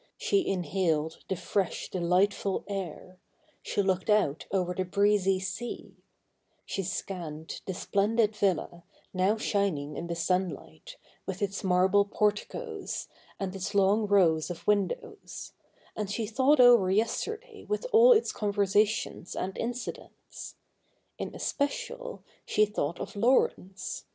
She inhaled the fresh delightful air ; she looked out over the breezy sea ; she scanned the splendid villa, now shining in the sunlight, with its marble porticoes, and its long rows of windows ; and she thought over yesterday with all its conversations and incidents. In especial, she thought of Laurence.